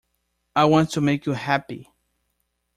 I want to make you happy.